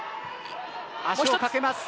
足をかけます。